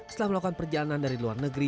setelah melakukan perjalanan dari luar negeri